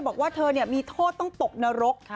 บอกว่าเธอมีโทษต้องตกนรก